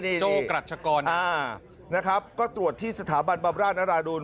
นี่นะครับก็ตรวจที่สถาบันบรรบราณราดูน